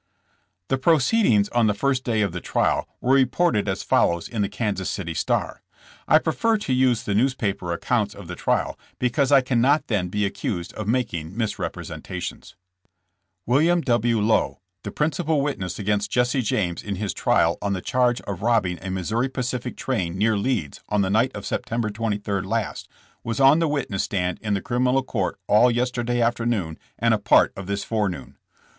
'' The proceedings on the first day of the trial were reported as follows in the Kansas City Star. I prefer to use the newspaper accounts of the trial because I cannot then be accused of making misrep resentations : William W. Lowe the principal witness against Jesse James in his trial on the charge of robbing a Missouri Pacific train near Leeds on the night of Sep tember 23 last, was on the witness stand in the crim inal court all yesterday afternoon and a part of this forenoon.